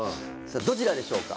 どちらでしょうか。